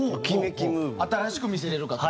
新しく見せられるかと。